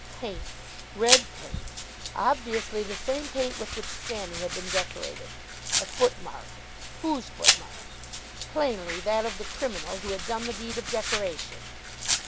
Paint. Red paint. Obviously the same paint with which Sammy had been decorated. A foot mark. Whose foot mark? Plainly that of the criminal who had done the deed of decoration.